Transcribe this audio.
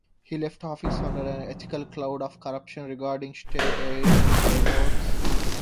He left office under an ethical cloud of corruption regarding state aid to railroads.